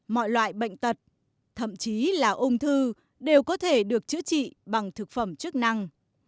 mọi loại bệnh tật thậm chí là ung thư đều có thể được chữa trị bằng thực phẩm chức năng